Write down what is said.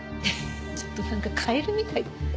ちょっとなんかカエルみたい。